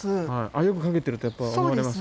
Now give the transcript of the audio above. よく描けてるとやっぱ思われます？